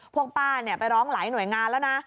พวกป้าไปร้องหลายหน่วยงานแล้วนะ